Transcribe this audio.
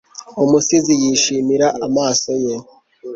umusizi, yishimira amaso yawe